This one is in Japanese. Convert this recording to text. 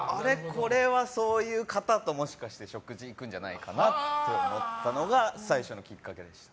これは、そういう方ともしかして食事行くんじゃないかなと思ったのが最初のきっかけでした。